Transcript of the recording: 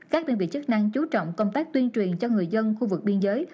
các đơn vị chức năng chú trọng công tác tuyên truyền cho người dân khu vực biên giới